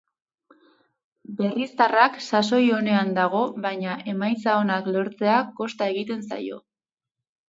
Berriztarrak sasoi onean dago baina emaitza onak lortzea kosta egiten zaio.